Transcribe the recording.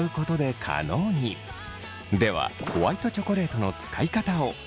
ではホワイトチョコレートの使い方を。